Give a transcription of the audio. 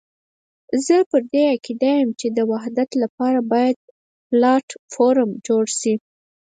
زه پر دې عقيده یم چې د وحدت لپاره باید پلاټ فورم جوړ شي.